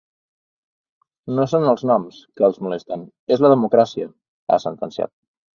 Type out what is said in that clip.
No són els noms, que els molesten, és la democràcia, ha sentenciat.